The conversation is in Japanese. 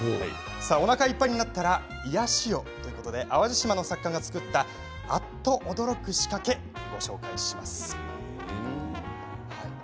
おなかいっぱいになったら癒やしを、ということで淡路島の作家が作ったあっと驚く仕掛けをご紹介します。